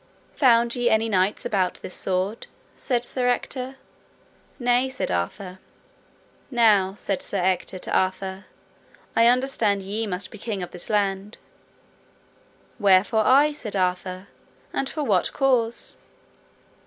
Found ye any knights about this sword? said Sir Ector. Nay, said Arthur. Now, said Sir Ector to Arthur, I understand ye must be king of this land. Wherefore I, said Arthur, and for what cause?